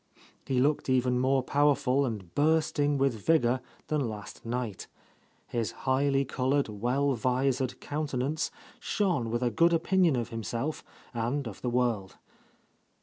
He looked even more powerful and bursting with vigour than last night. His highly coloured, well visored count enance shone with a good opinion of himself and of the world.